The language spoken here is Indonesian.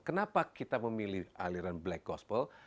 kenapa kita memilih aliran black gospel